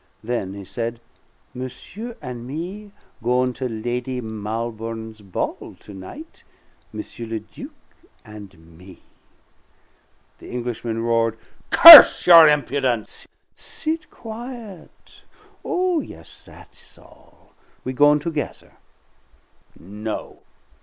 Then he said: "Monsieur and me goin' to Lady Malbourne's ball to night M. le Duc and me!" The Englishman roared, "Curse your impudence!" "Sit quiet. Oh, yes, that's all; we goin' together." "No!"